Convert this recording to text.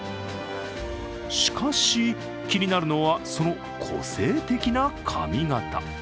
しかし、気になるのはその個性的な髪形。